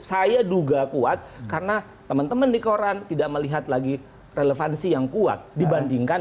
saya duga kuat karena teman teman di koran tidak melihat lagi relevansi yang kuat dibandingkan